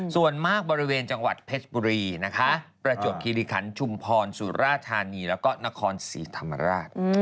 ส่วนมากบริเวณจังหวัดเพชรบุรีนะคะประจวบคิริคันชุมพรสุราธานีแล้วก็นครศรีธรรมราช